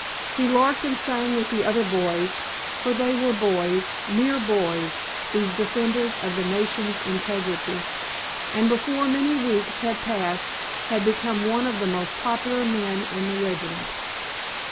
He larked and sang with the other boys (for they were boys—mere boys—these defenders of the nation's integrity), and before many weeks had passed had become one of the most popular men in the regiment.